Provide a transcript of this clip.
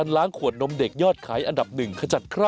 ข่าวใส่ใคร